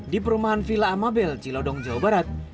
di perumahan villa amabel cilodong jawa barat